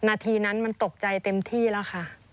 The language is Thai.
นาทีนั้นมันตกใจเต็มที่แล้วค่ะ